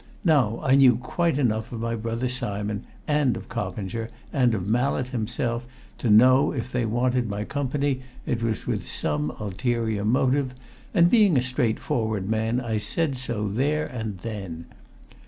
Now, I knew quite enough of my brother Simon, and of Coppinger, and of Mallett himself to know that if they wanted my company it was with some ulterior motive, and being a straightforward man I said so there and then.